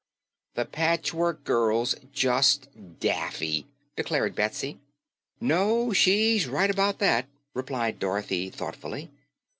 "The Patchwork Girl's just daffy," declared Betsy. "No, she's right about that," replied Dorothy thoughtfully.